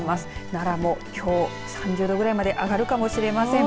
奈良もきょう３０度ぐらいまで上がるかもしれません。